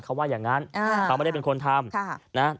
เขาว่าอย่างนั้นเขาไม่ได้เป็นคนทำนะ